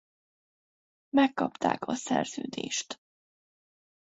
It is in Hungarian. Megkapták a szerződést.